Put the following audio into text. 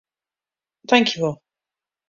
Tankjewol.